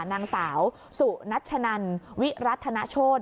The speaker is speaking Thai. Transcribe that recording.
นางสาวสุนัชนันวิรัฒนโชธ